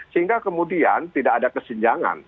sehingga kemudian tidak ada kesenjangan